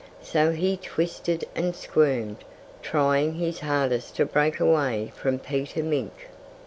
So he twisted and squirmed, trying his hardest to break away from Peter Mink.